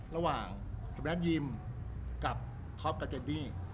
ระหว่างสุดแดนยิมกับท็อปกับเจนนี่